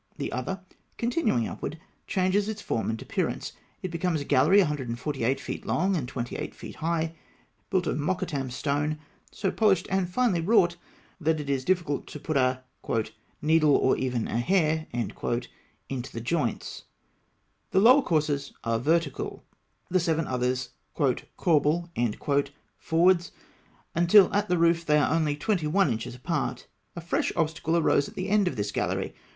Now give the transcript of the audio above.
The other, continuing upward, changes its form and appearance. It becomes a gallery 148 feet long and 28 feet high, built of Mokattam stone, so polished and finely wrought that it is difficult to put a "needle or even a hair" into the joints (Note 25). The lower courses are vertical; the seven others "corbel" forwards, until at the roof they are only twenty one inches apart. A fresh obstacle arose at the end of this gallery.